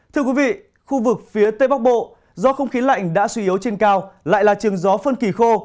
thưa quý vị khu vực phía tây bắc bộ do không khí lạnh đã suy yếu trên cao lại là trường gió phân kỳ khô